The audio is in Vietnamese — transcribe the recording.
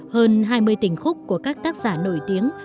hơn hai mươi tình khúc của các tác giả nổi tiếng